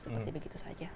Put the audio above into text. seperti begitu saja